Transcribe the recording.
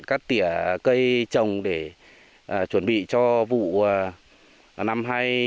cắt tỉa cây trồng để chuẩn bị cho vụ năm hai nghìn một mươi bảy